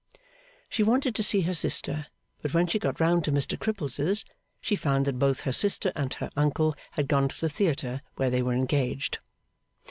She wanted to see her sister, but when she got round to Mr Cripples's, she found that both her sister and her uncle had gone to the theatre where they were engaged.